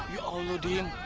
ya allah ding